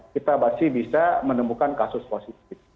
kita masih bisa menemukan kasus positif